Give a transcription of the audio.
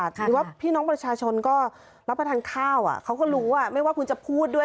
หรือว่าพี่น้องประชาชนก็รับประทานข้าวเขาก็รู้ไม่ว่าคุณจะพูดด้วย